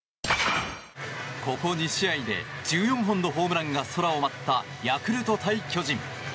ここ２試合で１４本のホームランが空を舞ったヤクルト対巨人。